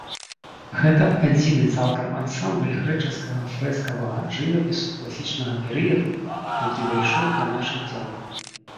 Гэта адзіны цалкам ансамбль грэчаскага фрэскавага жывапісу класічнага перыяду, які дайшоў да нашых дзён.